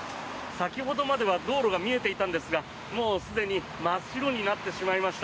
先ほどまでは道路が見えていたんですがもうすでに真っ白になってしまいました。